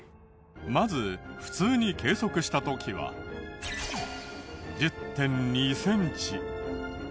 まず普通に計測した時は１０．２センチ。